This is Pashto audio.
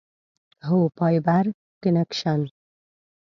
هو، فایبر کنکشن